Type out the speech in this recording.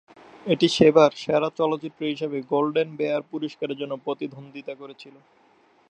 এটি সেবার সেরা চলচ্চিত্র হিসেবে গোল্ডেন বেয়ার পুরস্কারের জন্য প্রতিদ্বন্দ্বিতা করেছিল।